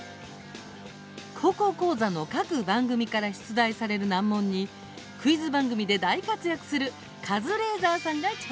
「高校講座」の各番組から出題される難問にクイズ番組で活躍するカズレーザーさんが挑戦。